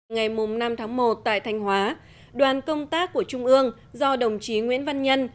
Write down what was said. ngày năm tháng một tại thanh hóa đoàn công tác của trung ương do đồng chí nguyễn văn nhân